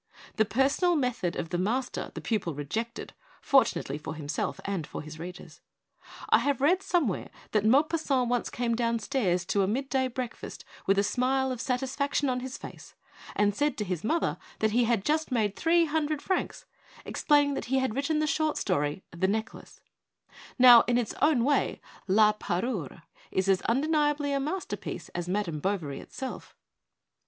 The personal method of the master the pupil rejected, fortunately for himself and for his readers. I have read some where that Maupassant once came downstairs to the mid day breakfast with a smile of satisfac tion on his face and said to his mother that he 212 ON WORKING TOO MUCH AND WORKING TOO FAST had just made three hundred francs, explaining that he had written a short story, the ' Necklace/ Now, in its own way, 'La Parure' is as un deniably a masterpiece as ' Madame Bovary' itself.